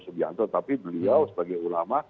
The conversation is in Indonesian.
subianto tapi beliau sebagai ulama